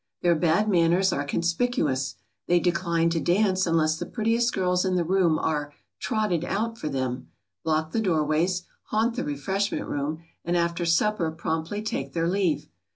Their bad manners are conspicuous. They decline to dance unless the prettiest girls in the room are "trotted out" for them, block the doorways, haunt the refreshment room, and after supper promptly take their leave.